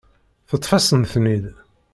Teṭṭef-asen-ten-id.